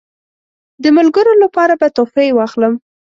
د ملګرو لپاره به تحفې واخلم.